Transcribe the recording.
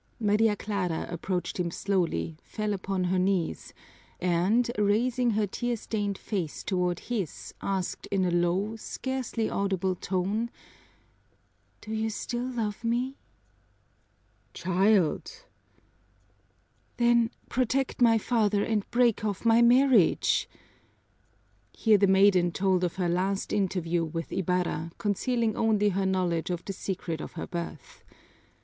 Maria Clara approached him slowly, fell upon her knees, and raising her tear stained face toward his asked in a low, scarcely audible tone, "Do you still love me?" "Child!" "Then, protect my father and break off my marriage!" Here the maiden told of her last interview with Ibarra, concealing only her knowledge of the secret of her birth.